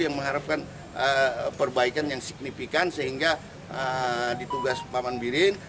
yang mengharapkan perbaikan yang signifikan sehingga ditugas paman birin